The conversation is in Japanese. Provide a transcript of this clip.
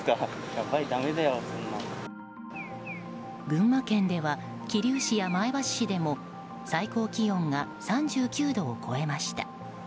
群馬県では桐生市や前橋市でも最高気温が３９度を超えました。